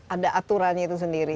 ada aturan itu sendiri